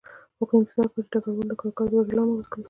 هغوی انتظار کاوه چې ډګروال د کارګر د وژلو امر وکړي